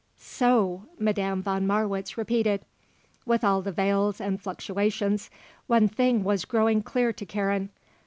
"So," Madame von Marwitz repeated. With all the veils and fluctuations, one thing was growing clear to Karen.